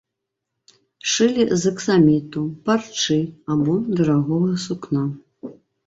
Шылі з аксаміту, парчы або дарагога сукна.